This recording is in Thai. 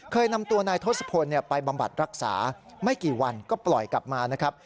เคยนำตัวนายทศพลไปบำบัดรักษาไม่กี่วันก็ปล่อยกลับมานะครับ